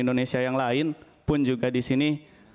indonesia yang lain pun juga di sini